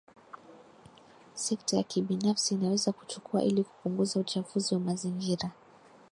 sekta ya kibinafsi inaweza kuchukua ili kupunguza uchafuzi wa mazingira